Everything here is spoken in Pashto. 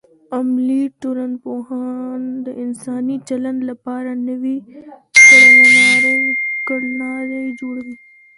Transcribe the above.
عملي ټولنپوهان د انساني چلند لپاره نوې کړنلارې جوړوي.